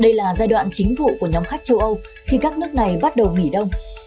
đây là giai đoạn chính vụ của nhóm khách châu âu khi các nước này bắt đầu nghỉ đông